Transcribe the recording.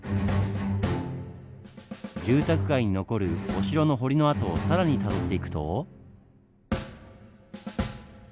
住宅街に残るお城の堀の跡を更にたどっていくと。